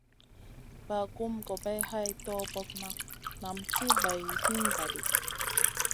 Bagumna gobay hay torbokna nam ti bay hin va ɗi.